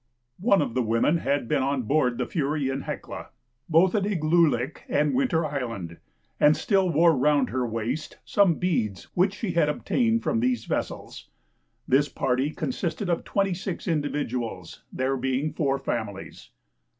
One of the women had been on board the Fury and Hecla, both at Igloolik and Winter Island, and still wore round her wrist some beads which she had obtained from these vessels. This party consisted of twenty six individuals, there being four families.